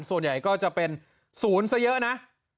ส่วนใหญ่ก็จะเป็นศูนย์ซะเยอะนะ